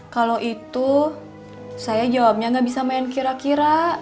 kalau itu saya jawabnya nggak bisa main kira kira